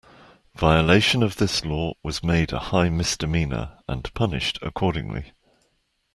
Violation of this law was made a high misdemeanor and punished accordingly.